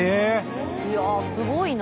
いやすごいな。